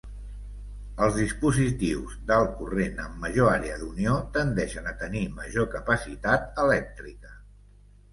Els dispositius d'alt corrent amb major àrea d'unió tendeixen a tenir major capacitat elèctrica.